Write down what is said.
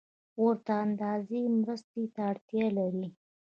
ورته اندازې مرستې ته اړتیا لري